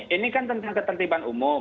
ini kan tentang ketertiban umum